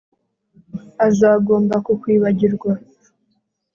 Azagomba kukwibagirwa